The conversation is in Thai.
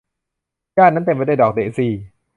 หญ้านั้นเต็มไปด้วยดอกเดซี่